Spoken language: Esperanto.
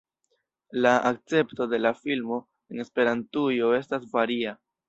La akcepto de la filmo en Esperantujo estas varia.